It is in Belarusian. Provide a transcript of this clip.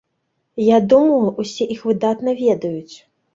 Я думаю усе іх выдатна ведаюць.